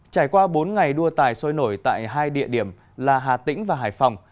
trải qua bốn ngày đua tài sôi nổi tại hai địa điểm là hà tĩnh và hải phòng